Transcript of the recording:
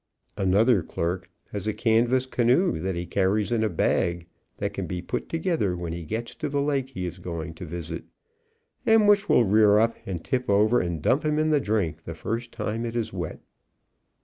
Another clerk has a canvas canoe that he carries in a bag, that can be put together when he gets to the lake he is going to visit, and which will rear up and tip over and dump him in the drink the first time it is wet.